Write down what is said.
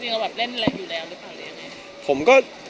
จริงแล้วแบบเล่นอะไรอยู่แล้วหรือเปล่าอะไรอย่างเงี้ย